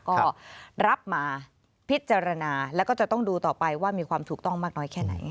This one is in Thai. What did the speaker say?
ก็รับมาพิจารณาแล้วก็จะต้องดูต่อไปว่ามีความถูกต้องมากน้อยแค่ไหน